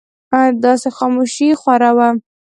داسې خاموشي خوره وه.